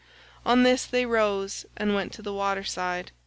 On this they rose and went to the water side.